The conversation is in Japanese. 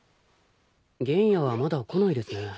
玄弥はまだ来ないですね。